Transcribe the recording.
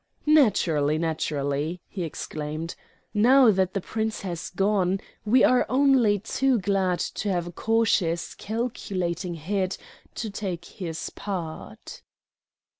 "Naturally, naturally!" he exclaimed. "Now that the Prince has gone we are only too glad to have a cautious, calculating head to take his part."